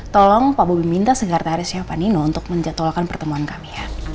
tolong pak bobby minta segar tarisnya pak nino untuk menjatuhkan pertemuan kami